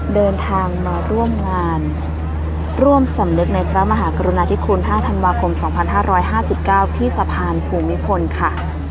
เดินทางมาร่วมงานร่วมสำนึกในพระมหากรุณาธิคุณ๕ธันวาคม๒๕๕๙ที่สะพานภูมิพลค่ะ